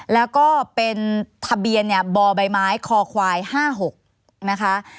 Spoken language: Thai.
แล้วก็เป็นทะเบียนเนี่ยบใบไม้คอควาย๕๖นะคะ